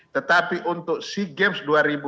tetapi untuk sea games